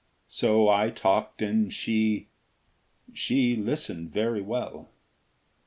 So I talked and she she listened very well.